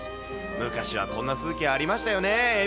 昔はこんな風景ありましたよね。